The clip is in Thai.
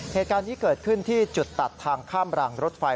เหตุการณ์นี้เกิดขึ้นที่จุดตัดทางข้ามรางรถไฟ